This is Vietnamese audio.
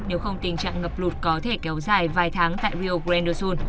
nếu không tình trạng ngập lụt có thể kéo dài vài tháng tại rio grande do sul